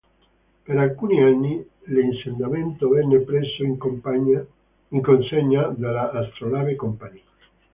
Per alcuni anni, l'insediamento venne preso in consegna dalla Astrolabe-Kompanie.